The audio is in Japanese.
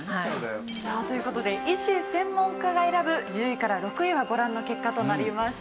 さあという事で医師・専門家が選ぶ１０位から６位はご覧の結果となりました。